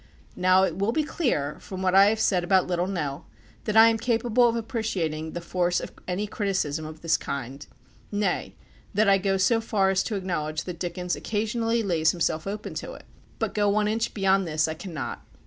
Now it will be clear, from what I have said about Little Nell, that I am capable of appreciating the force of any criticism of this kind; nay, that I go so far as to acknowledge that Dickens occasionally lays himself open to it. But go one inch beyond this I cannot.